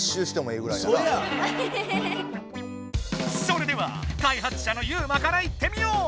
それでは開発者のユウマからいってみよう！